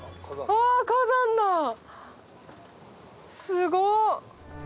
すごっ。